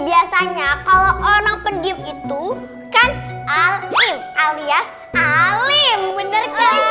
biasanya kalau orang pendiam itu kan alim alias alim bener